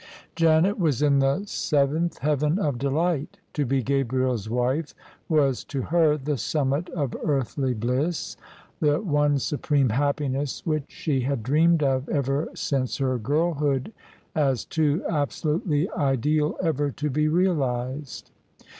Janet was in the seventh heaven of delight. To be Gabriel's wife was to her the summit of earthly bliss — the one supreme happiness which she had dreamed of ever since her girlhood as too absolutely ideal ever to be realised.